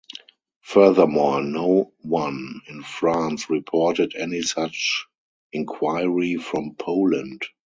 Furthermore, no one in France reported any such inquiry from Poland.